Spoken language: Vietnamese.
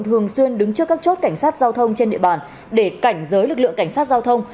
thường xuyên đứng trước các chốt cảnh sát giao thông trên địa bàn để cảnh giới lực lượng cảnh sát giao thông